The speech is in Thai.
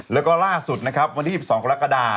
แล้วก็ล่าสุดนะครับวันที่๒๒กรกฎา